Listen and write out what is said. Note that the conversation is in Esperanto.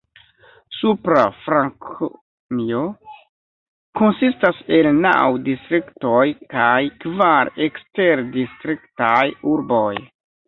Supra Frankonio konsistas el naŭ distriktoj kaj kvar eksterdistriktaj urboj.